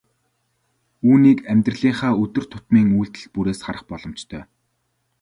Үүнийг амьдралынхаа өдөр тутмын үйлдэл бүрээс харах боломжтой.